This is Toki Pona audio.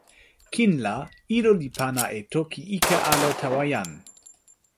kin la, ilo li pana e toki ike ale tawa jan.